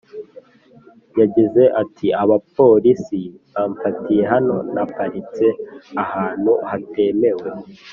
Yagize ati “Abapolisi bamfatiye hano na paritse ahanntu hatemewe